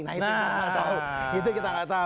nah itu kita nggak tahu